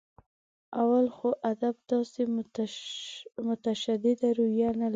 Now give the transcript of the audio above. اول خو ادب داسې متشدده رویه نه لري.